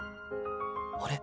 あれ？